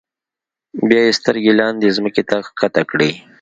بیا یې سترګې لاندې ځمکې ته ښکته کړې.